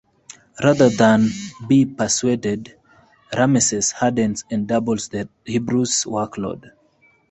Rather than be persuaded, Rameses hardens and doubles the Hebrews' workload.